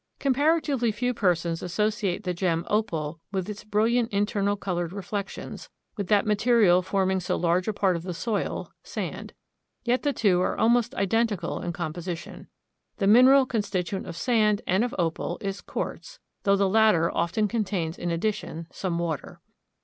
Comparatively few persons associate the gem opal, with its brilliant internal colored reflections, with that material forming so large a part of the soil, sand. Yet the two are almost identical in composition. The mineral constituent of sand and of opal is quartz, though the latter often contains in addition some water.